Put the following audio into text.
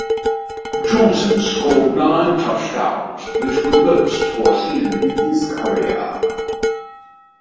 Johnson scored nine touchdowns, which were the most for a season in his career.